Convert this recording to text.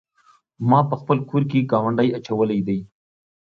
ما په خپل کور کې ګاونډی اچولی دی.